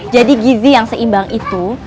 jadi gizi yang seimbang itu